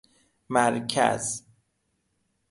مرکز